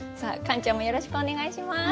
カンちゃんもよろしくお願いします！